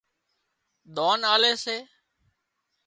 ۮانَ آلي سي